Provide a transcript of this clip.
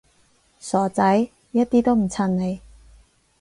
傻仔，一啲都唔襯你